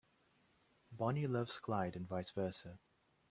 Bonnie loves Clyde and vice versa.